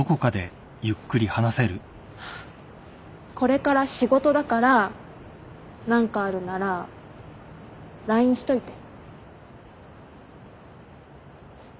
これから仕事だから何かあるならＬＩＮＥしといて。